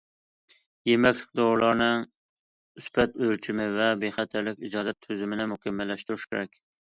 يېمەكلىك، دورىلارنىڭ سۈپەت ئۆلچىمى ۋە بىخەتەرلىكى ئىجازەت تۈزۈمىنى مۇكەممەللەشتۈرۈش كېرەك.